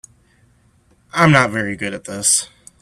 I'm not very good at this.